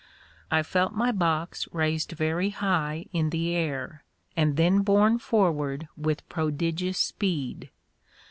I felt my box raised very high in the air, and then borne forward with prodigious speed.